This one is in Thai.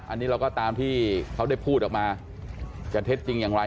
อันนี้เราก็ตามที่เขาได้พูดออกมาจะเท็จจริงอย่างไร